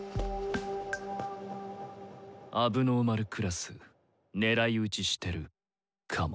問題児クラス狙い撃ちしてるかも。